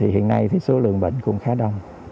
hiện nay số lượng bệnh cũng khá đông